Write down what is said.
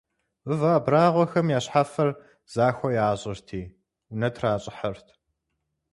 Мывэ абрагъуэхэм я щхьэфэр захуэ ящӏырти, унэ тращӏыхьырт.